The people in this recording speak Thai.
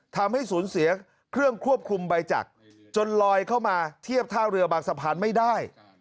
ทำให้สูญเสียเครื่องควบคุมใบจักรจนลอยเข้ามาเทียบท่าเรือบางสะพานไม่ได้